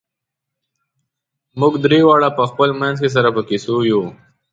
موږ درې واړه په خپل منځ کې سره په کیسو وو.